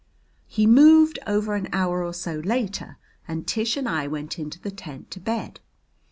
He moved over an hour or so later and Tish and I went into the tent to bed.